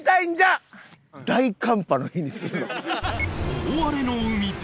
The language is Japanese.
大荒れの海で